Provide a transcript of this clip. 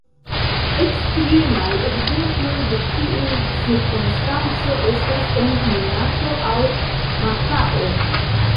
Ekstremaj ekzemploj de tiu cirkonstanco estas en Monako aŭ Makao.